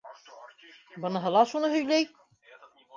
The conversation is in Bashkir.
— Быныһы ла шуны һөйләй.